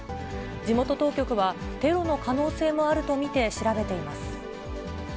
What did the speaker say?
地元当局は、テロの可能性もあると見て調べています。